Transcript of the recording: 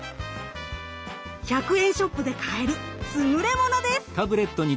１００円ショップで買える優れものです。